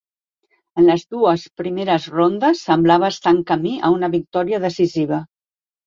En les dues primeres rondes semblava estar en camí a una victòria decisiva.